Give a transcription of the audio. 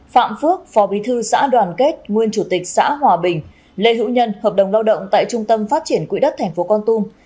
phạm phước phó bí thư xã đoàn kết nguyên chủ tịch xã hòa bình lê hữu nhân hợp đồng lao động tại trung tâm phát triển quỹ đất tp con tum